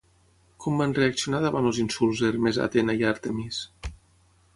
Com van reaccionar davant els insults Hermes, Atena i Àrtemis?